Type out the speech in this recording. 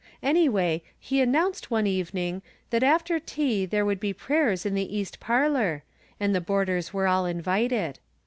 Anyway, he announced, one evening, that after tea there would be prayers in the east par lor, and the boarders were all invited.